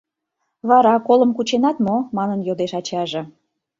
— Вара, колым кученат мо? — манын йодеш ачаже.